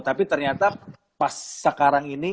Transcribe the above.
tapi ternyata pas sekarang ini